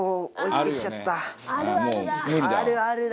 あるあるだ。